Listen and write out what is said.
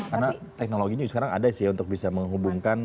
karena teknologinya sekarang ada sih ya untuk bisa menghubungkan